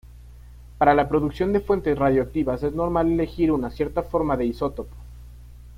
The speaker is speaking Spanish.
Para la producción de fuentes radiactivas es normal elegir una cierta forma de isótopo.